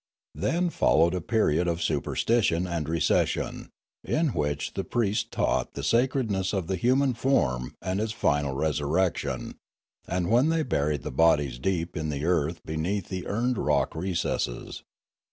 Then followed a period of superstition and recession, in which the priests taught the sacredness of the human form and its final resur rection and when they buried the bodies deep in the earth beneath the urned rock recesses.